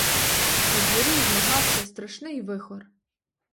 Надворі змагався страшний вихор.